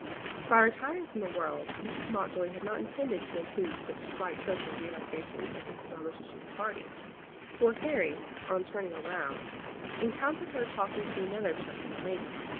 By retiring from the world Mrs. Mountjoy had not intended to include such slight social relaxations as Mrs. Armitage's party, for Harry on turning round encountered her talking to another Cheltenham lady.